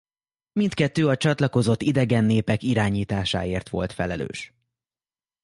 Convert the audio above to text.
Mindkettő a csatlakozott idegen népek irányításáért volt felelős.